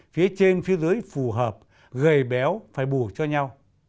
phía trên phía dưới phù hợp gầy béo phải bù cho nhau